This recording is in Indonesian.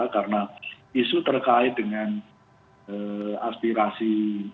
karena isu terkait dengan aspirasi